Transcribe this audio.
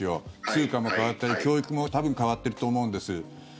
通貨も変わったり教育も多分変わっていると思うんです。